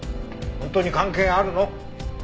本当に関係あるの？